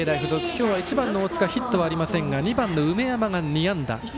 今日は１番の大塚ヒットはありませんが２番の梅山が２安打。